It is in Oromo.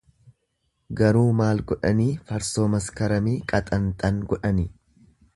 Garuu maal godhanii farsoo maskaramii qaxanxan godhani.